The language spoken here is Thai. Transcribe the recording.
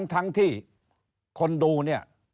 ทั้งที่คนดูเนี่ย